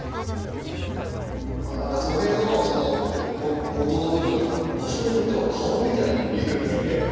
うわ何かトゲのそのもとの部分場所によっては顔みたいにも見えるんですよね。